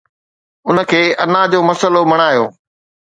ان کي انا جو مسئلو بڻايو